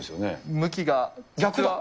向きが逆だ。